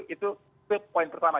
itu poin pertama